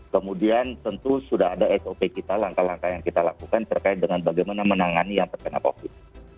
kemudian tentu sudah ada sop kita langkah langkah yang kita lakukan terkait dengan bagaimana menangani yang terkena covid